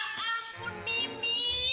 ya ampun mimi